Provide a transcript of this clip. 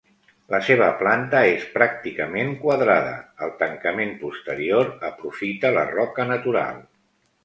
La seva planta és pràcticament quadrada; el tancament posterior aprofita la roca natural.